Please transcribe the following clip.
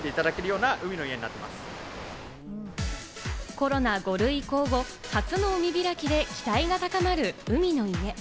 コロナ５類移行後、初の海開きで期待が高まる海の家。